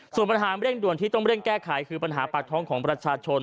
ส่วนปัญหาเร่งด่วนที่ต้องเร่งแก้ไขคือปัญหาปากท้องของประชาชน